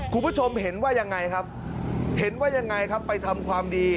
คุณผู้ชมเห็นว่ายังไงครับเห็นว่ายังไงครับไปทำความดี